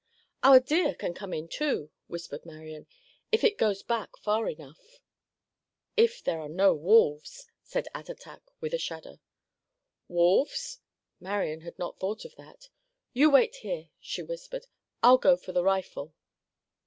"Our deer can come in, too," whispered Marian, "if it goes back far enough." "If there are no wolves," said Attatak with a shudder. "Wolves?" Marian had not thought of that. "You wait here," she whispered. "I'll go for the rifle."